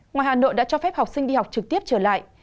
ngoài hà nội đã cho phép học sinh đi học trực tiếp trở lại